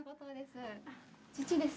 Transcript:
父です。